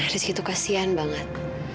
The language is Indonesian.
rizky itu kasian banget